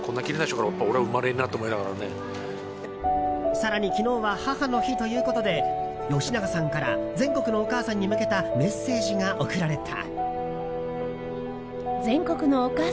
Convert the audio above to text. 更に昨日は母の日ということで吉永さんから全国のお母さんに向けたメッセージが送られた。